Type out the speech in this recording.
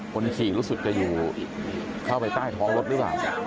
คนขี่รู้สึกจะอยู่เข้าไปใต้ท้องรถหรือเปล่า